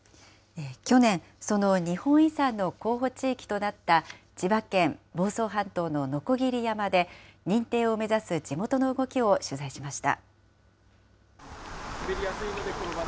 去年、その日本遺産の候補地域となった千葉県房総半島の鋸山で、認定を目指す地元の動きを取材しました。